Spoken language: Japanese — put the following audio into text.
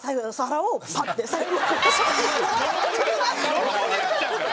泥棒になっちゃうから！